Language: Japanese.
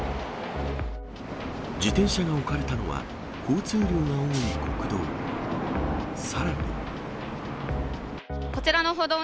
自転車が置かれたのは、交通量が多い国道。